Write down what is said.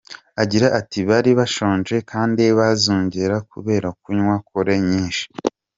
Agira ati “Bari bashonje kandi bazungera kubera kunywa kore nyinshi.